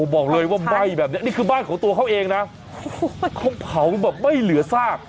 บอกเลยว่าไหม้แบบนี้นี่คือบ้านของตัวเขาเองนะเขาเผาแบบไม่เหลือซาก